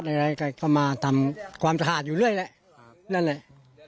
ระหว่ะในวัดละจะมาทำความสะอาดอยู่เรื่อยนะคะนั่นแหละ